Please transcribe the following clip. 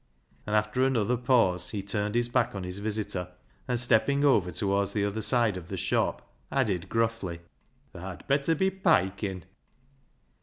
And after another pause he turned his back on his visitor, and, stepping over towards the other side of the shop, added gruffly —" Tha'd bet ter be piking."